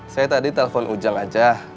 saya tadi telpon ujang aja